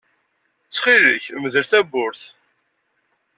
Ttxil-k, mdel tawwurt.